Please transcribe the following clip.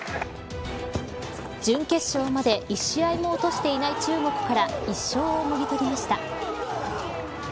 準決勝まで１試合も落としていない中国から１勝をもぎ取りました。